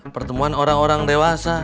pertemuan orang orang dewasa